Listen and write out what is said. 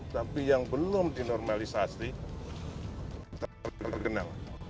tapi yang belum dinormalisasi kita harus berkenal